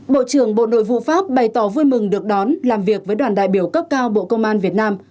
bộ trưởng bộ nội vụ pháp bày tỏ vui mừng được đón làm việc với đoàn đại biểu cấp cao bộ công an việt nam